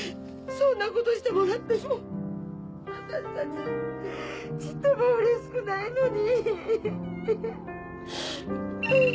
そんなことしてもらっても私たちちっとも嬉しくないのに。